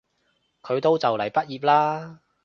佢都就嚟畢業喇